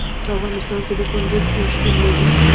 په افغانستان کې د کندز سیند شتون لري.